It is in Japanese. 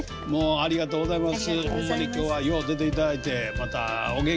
ありがとうございます。